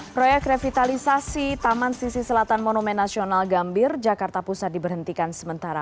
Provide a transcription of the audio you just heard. proyek revitalisasi taman sisi selatan monumen nasional gambir jakarta pusat diberhentikan sementara